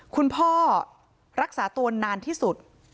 คุณพ่อรักษาตัวนานที่สุด